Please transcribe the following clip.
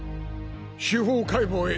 司法解剖へ。